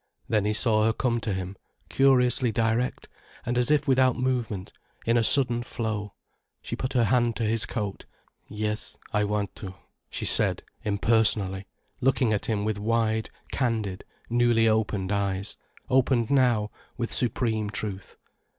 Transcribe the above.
Then he saw her come to him, curiously direct and as if without movement, in a sudden flow. She put her hand to his coat. "Yes I want to," she said, impersonally, looking at him with wide, candid, newly opened eyes, opened now with supreme truth.